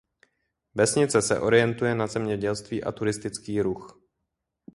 Vesnice se orientuje na zemědělství a turistický ruch.